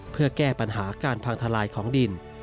เพื่อแก้ปัญหาการพังทลายของดิน